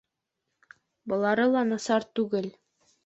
Былары ла насар түгел.